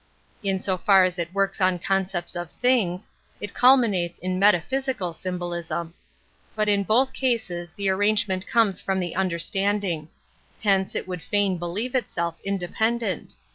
In so far as it works on concepts of things, it culminates in metaphysical symbolism. But in both cases the arrangement comes from the under standing. Hence, it would fain believe itself independent.